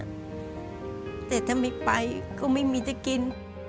แต่ถ้าไม่ไปก็ไม่มีจะกิน